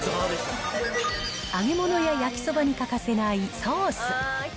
揚げ物や焼きそばに欠かせないソース。